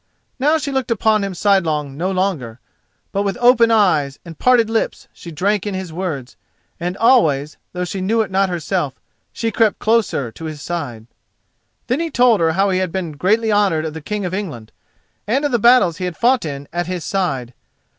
Now she looked upon him sidelong no longer, but with open eyes and parted lips she drank in his words, and always, though she knew it not herself, she crept closer to his side. Then he told her how he had been greatly honoured of the King of England, and of the battles he had fought in at his side.